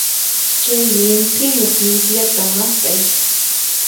Chay llimp'iyuq llikllata mast'ay.